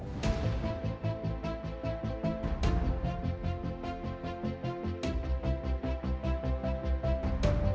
dan memperbaiki keuntungan yang terbaik